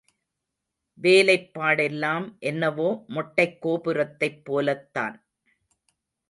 வேலைப் பாடெல்லாம் என்னவோ மொட்டைக் கோபுரத்தைப் போலத்தான்.